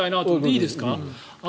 いいですか？